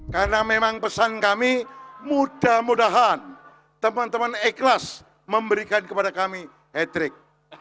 karena memang pesan kami mudah mudahan teman teman ikhlas memberikan kepada kami hatrik